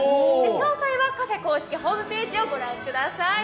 詳細はカフェ公式ホームページを御覧ください。